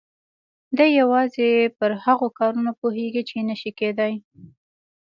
دی يوازې پر هغو کارونو پوهېږي چې نه شي کېدای.